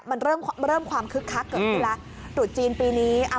มันเริ่มเริ่มความคึกคักเกิดขึ้นแล้วตรุษจีนปีนี้